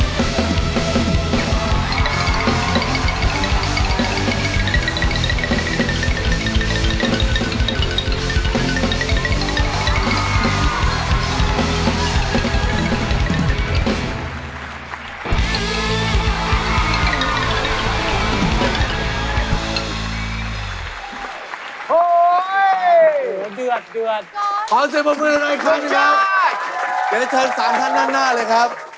จะเชิญสามท่านด้านหน้าเลยครับ